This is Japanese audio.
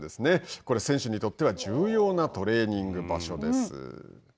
これ、選手にとっては重要なトレーニング場所です。